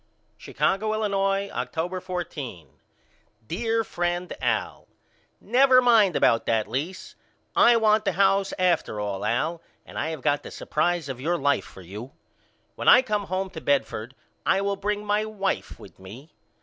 Chicago, Illinois, October 14. DEAR FRIEND AL: Never mind about that lease. I want the house after all Al and I have got the surprise of your life for you. When I come home to Bedford I will bring my wife with me.